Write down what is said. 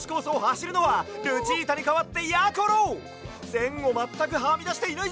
せんをまったくはみだしていないぞ！